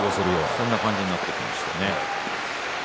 そんな感じになってきましたね。